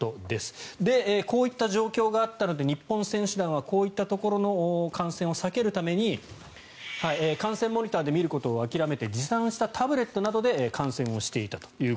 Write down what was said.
こういった状況があったので日本選手団はこういったところの感染を避けるために観戦モニターで見ることを諦めて持参したタブレットなどで観戦をしていたと。